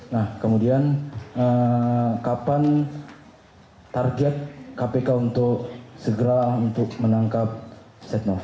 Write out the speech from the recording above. nah kemudian kapan target kpk untuk segera untuk menangkap setnov